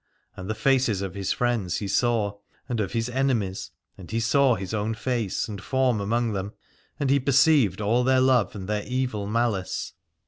And the faces of his friends he saw, and of his enemies, and he saw his own face and form among them, and he perceived all their love and their evil malice.